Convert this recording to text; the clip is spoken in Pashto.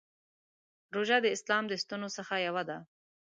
روژه د اسلام د ستنو څخه یوه ده.